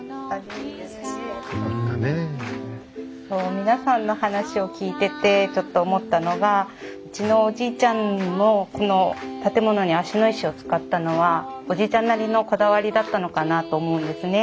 皆さんの話を聞いててちょっと思ったのがうちのおじいちゃんもこの建物に芦野石を使ったのはおじいちゃんなりのこだわりだったのかなと思うんですね。